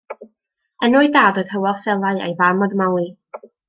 Enw'i dad oedd Hywel Selau a'i fam oedd Mali.